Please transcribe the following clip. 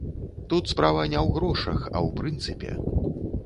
Тут справа не ў грошах, а ў прынцыпе.